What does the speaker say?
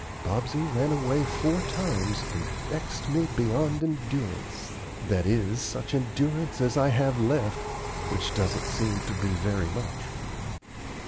"Bobsey ran away four times, and vexed me beyond endurance, that is, such endurance as I have left, which doesn't seem to be very much."